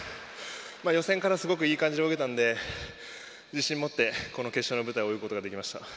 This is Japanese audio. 予選からすごくいい感じで泳げたので自信を持って決勝の舞台で泳ぐことができました。